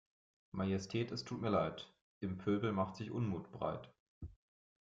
Majestät es tut mir Leid, im Pöbel macht sich Unmut breit.